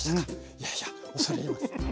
いやいや恐れ入ります。